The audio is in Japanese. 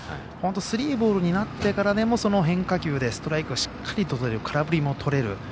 本当にスリーボールになってからでもストライクをしっかりとれる空振りもとれる。